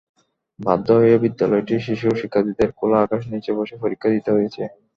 বাধ্য হয়ে বিদ্যালয়টির শিশু শিক্ষার্থীদের খোলা আকাশের নিচে বসে পরীক্ষা দিতে হয়েছে।